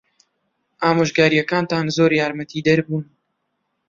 ئامۆژگارییەکانتان زۆر یارمەتیدەر بوون.